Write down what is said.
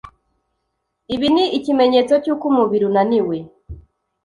Ibi ni ikimenyetso cy’uko umubiri unaniwe